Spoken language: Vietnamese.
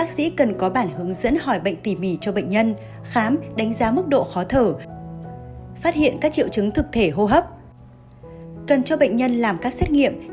xin chào và hẹn gặp lại